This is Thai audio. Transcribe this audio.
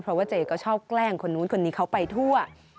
เพราะว่าเจก็ชอบแกล้งคนนู้นคนนี้เขาไปทั่ว